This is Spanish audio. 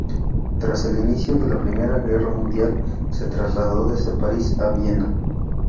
Tras el inicio de la primera guerra mundial se trasladó desde París a Viena.